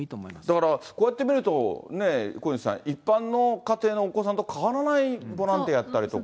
だからこうやって見ると、小西さん、一般の家庭のお子さんと変わらないボランティアやったりとか。